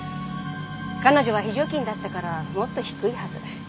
彼女は非常勤だったからもっと低いはず。